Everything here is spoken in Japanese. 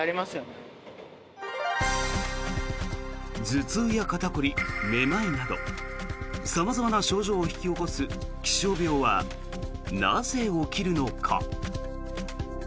頭痛や肩凝り、めまいなど様々な症状を引き起こす気象病はなぜ、起きるのか。